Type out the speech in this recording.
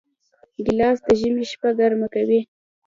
ګیلاس د ژمي شپه ګرمه کوي.